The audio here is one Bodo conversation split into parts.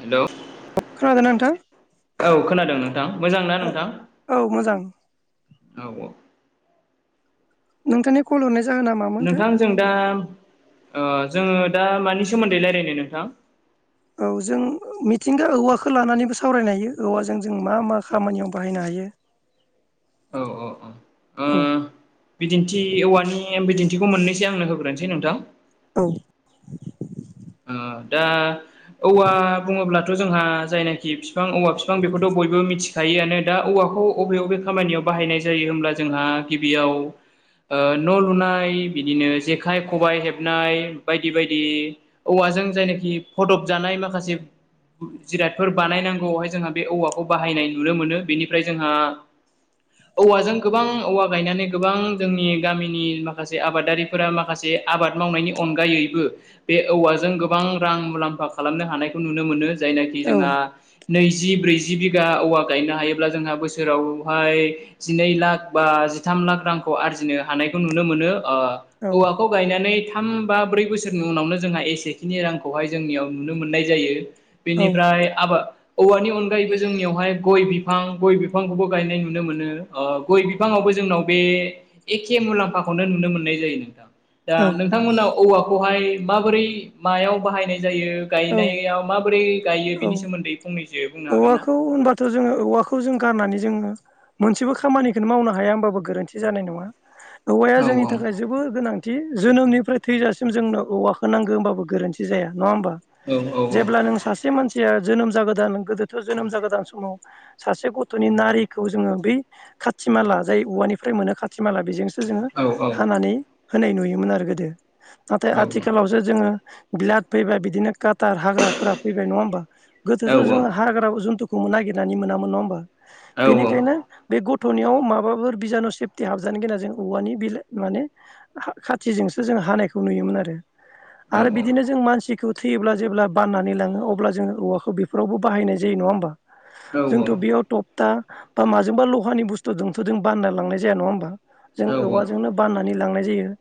हेलौ खोनादोंना नोंथां? औ खोनादों नोंथां मोजां ना नोंथां? औ मोजां औ औ नोंथांनि कल हरनाय जाहोना मामोनथाय नोंथां जों दा ओ जोङो दा मानि सोमोन्दै रायलायनो नोंथां? औ जों मिथिंगा औवाखौ लानानैबो सावरायनो हायो औवाजों जों मा मा खामानियाव बाहायनो हायो। औ औ औ ओ औ बिदिन्थि औवानि बिदि न्थिखौ मोननैसो आंनो होग्रोनोसै नोंथां औ ओ दा औवा बुङोब्ला थ' जोंहा जायनाखि फिफां औवा फिफां बेखौथ' बयबो मिथिखायोआनो दा औवाखौ अबे अबे खामानियाव बाहायनाय जायो होमब्ला जोंहा गिबियाव ओ न' लुनाय, बिदिनो जेखाइ-खबाइ हेबनाय बायदि बायदि। औवाजों जायनाखि फदब जानाय माखासे जिरादफोर बानायनांगौआवहाय जोंहा बे औवाखौ बाहायनाय नुनो मोनो बेनिफ्राय जोंहा औवाजों गोबां औवा गायनानै गोबां जोंनि गामिनि माखासे आबादारिफोरा माखासे आबाद मावनायनि अनगायैबो बे औवाजों गोबां रां मुलाम्फा खालामनो हानायखौ नुनो मोनो जायनाखि औ जोंहा नैजि ब्रैजि बिधा औवा गायनो हायोब्ला जोंहा बोसोरावहाय जिनै लाख बा जिथाम लाख रांखौ आर्जिनो हानायखौ नुनो मोनो। ओ औ औवाखौ गायनानै थाम बा ब्रै बोसोरनि उनावनो जोंहा एसेखिनि रांखौहाय जोंनियाव नुनो मोननाय जायो। औ बेनिफ्राय आबाद औवानि अनगायैबो जोंनियावहाय गय बिफां गय बिफांखौबो गायनाय नुनो मोनो ओ गय बिफाङावबो जोंनाव बे एखे मुलाम्फाखौनो नुनो मोननाय जायो नोंथां। दा औ नोंथांमोना औवाखौहाय माबोरै मायाव बाहायनाय जायो औ गायनायाव माबोरै गायो औ बिनि सोमोन्दै फंनैसो बुंनो हागोन ना? औवाखौ होनबाथ' जोङो औवा खौ जों गारनानै जों मोनसेबो खामानिखौनो मावनो हाया होनबाबो गोरोन्थि जानाय नङा औवाया औ जोंनि थाखाय जोबोद गोनां दि जोनोमनिफ्राय थैजासिम जोंनो औवाखौ नांगो होनबाबो गोरोन्थि जाया। नङा होमबा औ जेब्ला नों सासे जोनोम जागोदान गोदोथ' जोनोम जागोदान समाव सासे गथ'नि नारिखौ जोङो बै खाथि माला जाय औवानिफ्राय मोनो खाथि माला बेजोंसो जोङो औ हानानै होनाय नुयोमोन आरो गोदो, नाथाय औ आथिखालावसो जोङो बेल्द फैबाय बिदिनो काटार हाग्राफोरा फैबाय नङा होमबा गोदोथ' औ जोङो हाग्रा जुनतु खौ नागिरनानै मोनामोन नङा होमबा औ औ बेनिखायनो बे गथ'नियाव माबाफोर बिजानु सेफटिक हाबजानो गिना जों औवानि बिला माने खाथिजोंसो जोंङो हानायखौ नुयोमोनआरो आरो औ बिदिनो जों मानसिखौ थैयोब्ला जेब्ला बाननानै लांङो अब्ला जोङो औवाखौ बेफोरावबो बाहायनाय जायो नङा होमबा जोंथ' बेयाव तपता बा माजोंबा लहानि बुस्थुजोंथ' बानना लांनाय जाया नङा होमबा जों औवाजोंनो बाननानै लांनाय जायो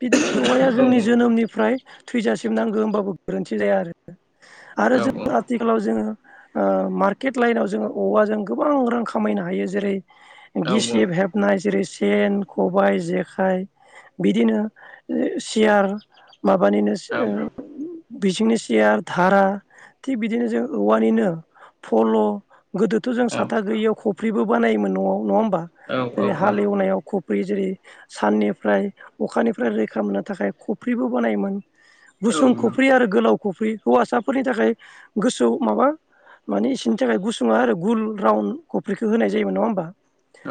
बिदिनो औवाया जोंनि जोनोमनिफ्राय थैजासिम नांगौ होनबाबो गोरोन्थि जाया आरो आरो जों आथिखालाव जोङो ओ मारकेत लाइनाव जोङो औवाजों गोबां रां खामायनो हायो जेरै गिसिब हेबनाय जेरै सेन खबाय जेखाइ बिदिनो सियार माबानिनो ओ बिजोंनो सियार धारा थिग बिदिनो जों औवानिनो फल' गोदोथ' जों साथा गैयियाव खफ्रिबो बानायोमोन न'आव नङा होमबा औ औ जेरै औ हालेवनायाव ख' बै जेरै साननिफ्राय अखानिफ्राय रैखा मोननो थाखाय खफ्रिबो बानायोमोन औ गुसुं औ खफ्रि आरो गोलाव खफ्रि हौवासाफोरनि थाखाय गुसु माबा माने इसोरनि थाखाय गुसुङआ आरो गुल राउन्ड कफ्रिखौ होनाय जायोमोन नङा होमबा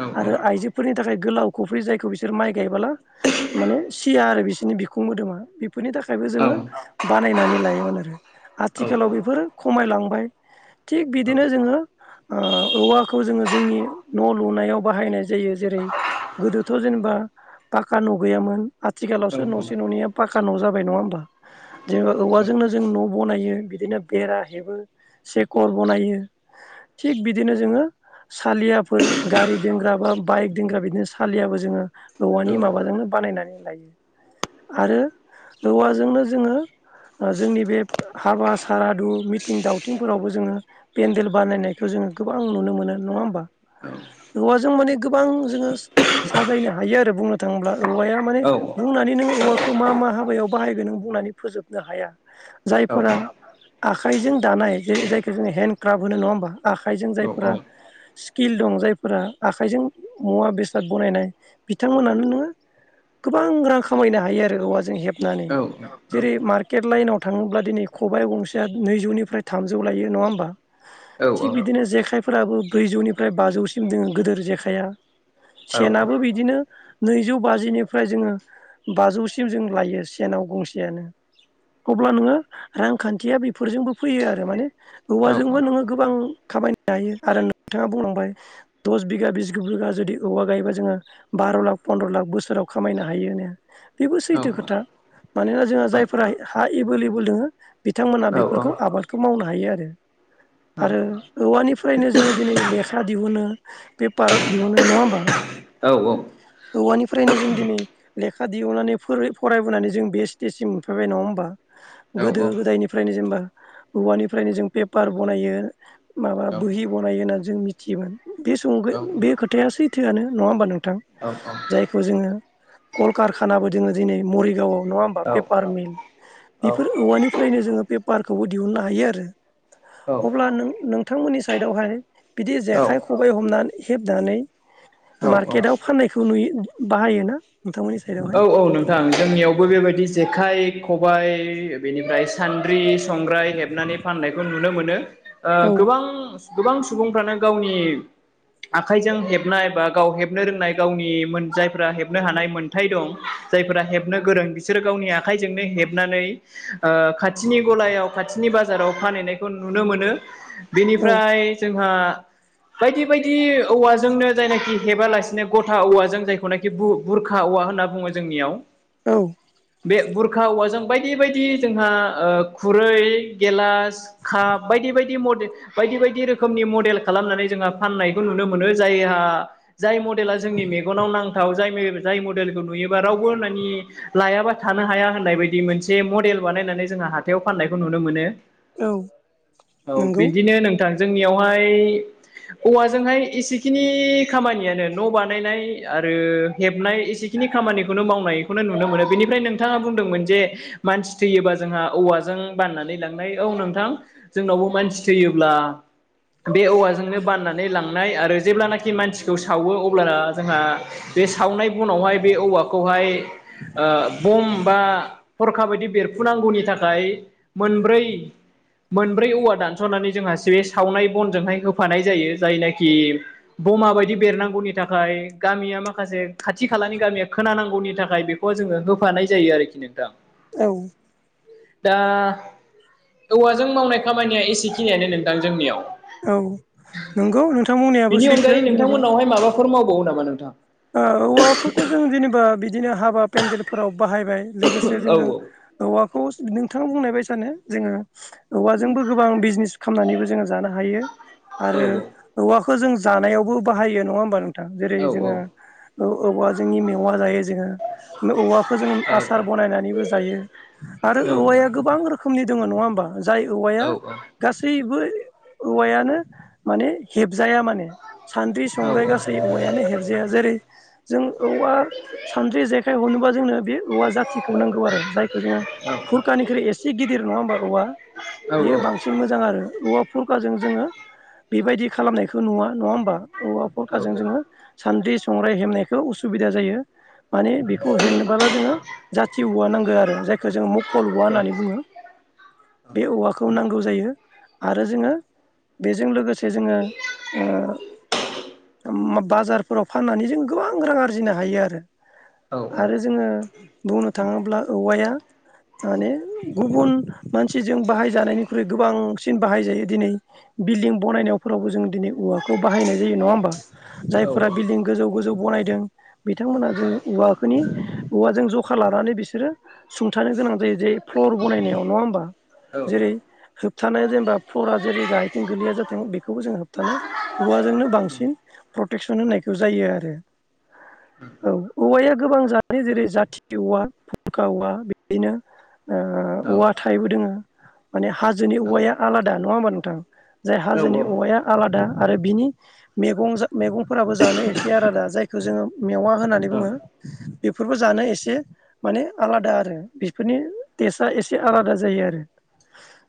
औ औ औ आरो आइजोफोरनि थाखाय गोलाव खफ्रि जायखौ बिसोर माइ गायबाला माने सिया आरो बिस सिनि बिखुं मोदोमा बेफोरनि औ थाखायबो औ जोङो बानायनानै लायो माने औ आथिखालाव बेफोरो खमायलांबाय थिग बिदिनो जोङो ओ औवाखौ जोङो जोंनि न' लुनायाव बाहायनाय जायो जेरै गोदो थ जेनेबा पाका न' गैयामोन औ आथिखालावसो न'से न' नैया पाका न' जाब बाय नङाहोमबा जेनबा औवा जोंनो जों न' बानायो बिदिनो बेरा हेबो, सेकर बनायो थिग बिदिनो जोङो। सालियाफोर गारि दोनग्रा बा बाइक दोनग्रा बिदिनो सालियाबो जोङो औवानि माबाजों। बानायनानै लायो आरो औवाजोंनो जोङो जोंनि बे। हाबा सारादु मिथिं दावथिंफोरावबो जोङो पेन्देल बानायनायखौ जोङो गोबां नुनो मोनो। नङा होमबा औवाजों माने गोबां जोङो साजायनो हायो आरो बुंनो थाङोब्ला। औवाया माने बुंनानै नों औवाखौ मा मा हाबायाव बाहायगोन नों बुंनानै फोजोबनो हाया। जायफोरा। आखाइजों दानाय जेरै जायखौ जों हेन्दडक्राफ्ट होनो नङा होमबा आखाइजों जायफोरा स्किल। दं जायफोरा आखाइजों मुवा बेसाद बनायनाय बिथांमोनानो नोङो। गोबां रां खामायनो हायो आरो औवाजों हेब औ जेरै मार्केट लाइनाव थाङोब्ला दिनै खबाइ गंसेया नैजौनिफ्राय थामजौ लायो नङा होमबा। थिग बिदिनो जेखायफोराबो ब्रैजौनिफ्राय बाजौसिम दोङो गोदोर जेखाइआ। सेनाबो बिदिनो। नैजौ बाजिनिफ्राय जोङो बाजौसिम जों लायो सेनाव गंसेयानो। अब्ला नोङो रांखान्थिया बेफोरजोंबो फैयो आरो माने औवाजोंबो नोङो गोबां। खामायनो हायो आरो नोंथाङा बुंलांबाय दस बिगा बिस बिघा जुदि औवा गायोबा जोङो बा बार' लाख फन्द्र' लाख बोसोराव खामायनो हायो होना बेबो सैथो खोथा मानोना जोंहा जायफोरा। हा एभेलेबोल दङो बिथांमोनहा बेफोरखौ आबादखौ मावनो हायो आरो। आरो औवानिफ्रायनो जोङो दिनै लेखा दिहुनो पेपार दिहुनो नङा होमबा। औ औ। औवानिफ्रायनो जों दिनै लेखा दिहनानै फरायबोनानै जों बे स्टेजसिम मोनफैबाय नङा होम बा औ गोदो गोदायनिफ्रायनो जेनेबा। औवानिफ्रायनो जों पेपार बनायो माबा बोहि बनायो होननानै जों मिथियोमोन बे समाव। बे खोथाया सैथोआनो नङा होमबा नोंथां जायखौ जोङो। कलकारखानाबो जोङो दिनै मरिगावआव नङा हबा पेपार मिल। बेफोर औवानिफ्रायनो जोङो पेपारखौबो दिहुननो हायो आरो। अब्ला नों-नोंथांमोननि साइदआवहाय। बिदि जेखाइ खबाइ हमनानै हेबनानै। औ औ मार्केटाव फाननायखौ नुयो बाहायोना नोंथांमोननि सायाव। औ औ नोंथां जोंनियावबो बेबायदि जेखाइ खबाइ बेनिफ्राय सान्द्रि संग्राय हेबनानै फाननायखौ नुनो मोनो ओ औ गोबां गोबां सुबुंफ्रानो गावनि आखाइजों हेबनाय बा गाव हेबनो रोंनाय गावनि मोन जायफ्रा हेबनो हानाय मोन थाय दं जायफोरा हेबनो गोरों बिसोर गावनि आखाइजोंनो हेबनानै ओ खाथिनि गलायाव खाथिनि बाजाराव फानहैनायखौ नुनो मोनो औ बेनिफ्राय जोंहा बायदि बायदि औवाजोंनो जायनाखि हेबालासिनो गथा औवाजों जायखौनाखि बु-बुर खा औवा होनना बुंङो जोंनियाव। औ। बे बुरखा औवाजों बायदि बायदि जोंहा ओ खुरै गेलास काप बायदि बायदि मडे बायदि बायदि रोखोमनि मडेल खालामनानै जोंहा फाननायखौ नुनो मोनो जायहा जाय म डेला जोंनि मेगनाव नांथाव जाय जाय मडेलखौ नुयोबा रावबो मानि लायाबा थानो हाया होननाय बायदि मोनसे मडेल बानायनानै जोंहा हाथायाव फाननायखौ नुनो मोनो औ औ नंगौ बिदिनो नोंथां। जोंनियावहाय औवाजोंहाय एसेखिनि खामानियानो न' बानायनाय आरो। हेबनाय एसेखिनि खामानिखौनो मावनायखौनो नुनो मोनो बेनिफ्राय नोंथाङा बुंदोंमोन जे मानसि थैयोबा जोंहा औवाजों बाननानै लांनाय औ नोंथां जोंनावबो मानसि थैयोब्ला बे औवाजोंनो बाननानै लांनाय आरो जेब्लानाखि मानसिखौ सावो अब्लाना जोंहा बे सावनाय बनावहाय बे औवाखौहाय ओ बम बा हरखा ऐदि बेरफुनांगौनि थाखाय मोनब्रै मोनब्रै औवा दानस'नानै जोंहा से सावनाय बनजोंहाय होफानाय जायो जायनाखि बमा बायदि बेरनांगौनि थाखाय गामिया मा खासे खाथि खालानि गामिया खोनानांगौनि थाखाय बेखौ जोङो होफानाय जायो आरोखि नोंथां। औ। दा औवाजों मावनाय खामानिया एसेखिनियानो नोंथां जोंनियाव। औ नंगौ नों बिनि अनगायै नोंथांमोनावहाय माबाफोर मावबावो नामा नोंथां? ओ औवाखौथ' जों जेनेबा बिदिनो हाबा पेन्देलफोराव बाहायबाय लोगोसे औ जोङो औवाखौ नोंथाङा बुंनाय बायसानो जोङो औवाजोंबो गोबां बिजनेस खालामनानैबो जोङो जानो हायो औ आरो औवाखौ जों जानायावबो बाहायो नंङा होमबा नोंथां जेरै औ जोङो औ-औवाजोंनि मेवा जायो जोङो। औवाखौ जोङो औ औ आसार बनायनानैबो जायो आरो औवाया गोबां रोखोम नि दंङ नंङा होनबा? जाय औ औवाया गासैबो औवायानो माने हेब जाया माने सान्द्रि संग्राय गासै औवायानो हेबजाया जेरै जों औवा सान्द्रि जेखाइ हेबनोबा जोंनो बे औवा जाथिखौ नांगौ आरो जायखौ जोङो गुरखानिख्रुइ एसे गिदिर नंङा होमबा औवा बेयो बांसिन मोजां आरो औवा फुरखाजों जोङो बेबायदि खालामनायखौ नुवा नंङा होमबा? औवा फुरखाजों जोङो सानद्रि संग्राय हेमनायखौ उसुबिदा जायो। माने बेखौ हेबनोब्ला जोंङो जाथि औवा नांगौ आरो जायखो जोङो मकल औवा होननानै बुङो। बे औवाखौ नांगौ जायो आरो जोङो बेजों लोगोसे जोंङो ओ बाजारफोराव फाननानै जों गोबां रां आरजिनो हायो आरो। आरो जोंङो बुंनो थांङोब्ला औवाया माने गुबुन मानसिजों बाहाय जानायनिख्रुइ गोबांसिन बाहाय जायो दिनै बिल्डिं बनायनायावफोराव जों दिनै औवाखौ बाहायनाय जायो नंङा होमबा औ जायफोरा बिल्डिं गोजौ गोजौ बनायदों। बिथांमोना जों औवाखोनि औवाजों जखा लानानै बिसोरो सुंथानो गोनां जायो जे फ्लर बनायनायाव नंङा होमबा? औ औ होबथानाया जेनेबा फरा जेरै गाहायथिं गोलैया जाथों बेखौबो जों होबथानो औवाजोंनो बांसिन प्रटेकसन होनायखौ जायो आरो औ औवाया गोबां जादनि जेरै जाथि औवा फुरखा औवा बिदिनो ओ औवा थायबो दोङो माने हाजोनि औवाया आलादा नङा होमबा नोंथां? जाय हाजोनि औवाया आलादा आरो बिनि मेगं मैगंफोराबो जानो एसे आलादा जायखौ जोङो मेवा होननानै बुङो बेफोरबो जानो एसे माने आलादा आरो बेफोरनि टेस्टआ एसे आलादा जायो आरो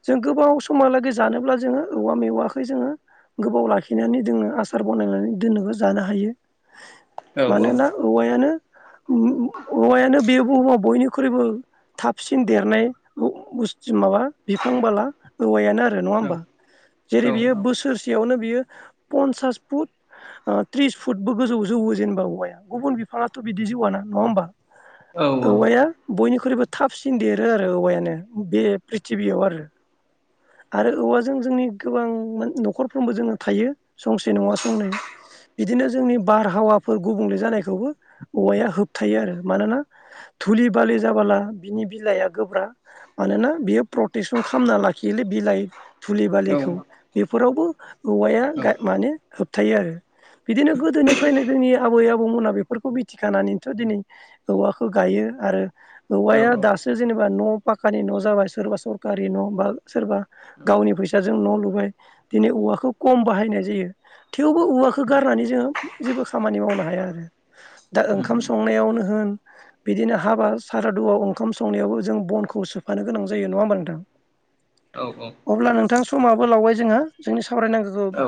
जों गोबाव समहालागै जानोब्ला जोङो औवा मेवाखै जोङो गोबाव लाखिनानै जोङो आसार बानायनानै दोननोबो जानो हायो मानोना औवायानो औवायानो बे बुहुमाव बयनिख्रुइबो थाबसिन देरनाय माबा बिफां बाला औवायानो आरो नङा होमबा? जेरै बियो बोसोरसेयावनो बियो पन्सास फुट ओ त्रिस फुटबो गोजौ जौवो जेनेबा औवाया गुबुन बिफाङाथ बिदि जौवानख नङा होनबा? औ औ बयनिख्रुइबो थाबसिन देरो आरो औवायानो बे प्रिथबियाव आरो आरो औवाजों जोंनि गोबां नखरफ्रोमबो जोङो थायो संसे नङा संनै बिदिनो जोंनि बारहावाफोर गुबुंले जानायखौबो औवाया होबथायो आरो मानोना धुलि बालि जाबोला बिनि बिलाइआ गोब्रा मानोना बियो प्रटेकसन खालामना लाखियो। बेनि बिलाइ धुलि बालिखौ। बेफोरावबो औवाया माने होबथायो आरो। बिदिनो गोदोनिफ्रायनो जोंनि आबै आबौमोनहा बेफोरखौ मिथिखानानैथ दिनै औवाखौ गायो । आरो औवाया दासो जेनेबा न पाखानि न जाबाय सोरबा सरकारि न बा सोरबा गावनि फैसाजों न लुबाय दिनै औवाखौ खम बाहायनाय जायो थेवबो औवाखौ गारनानै जोङो जेबो खामानि मावनो हाया आरो दा ओंखाम संनायावनो होन बिदिनो हाबा सारादुवआव ओंखाम संनायावबो जों बनखौ सोफानो गोनां जायो नङा होमबा नोंथां? [inaudible] अब्ला नोंथां समाबो लावबाय जोंहा जोंनि सावरायनांगौखौ औ औ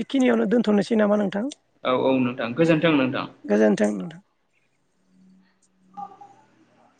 बेखिनियावनो दोनथनोसै नामा नोंथां? औ औ नोंथां गोजोनथों नोंथां। गोजोन्थों नोंथां।